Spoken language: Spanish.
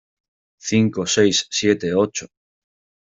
cinco, seis , siete , ocho.